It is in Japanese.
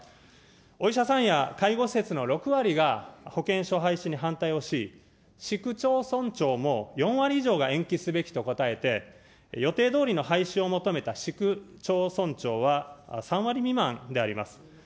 お医者さんや介護施設の６割が保険証廃止に反対をし、市区町村長も４割以上が延期すべきと答えて、予定どおりの廃止を求めた市区町村ちょうは３割未満であります。